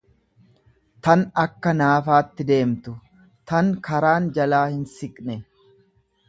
tan akka naafaatti deemtu, tan karaan jalaa hinsiqne.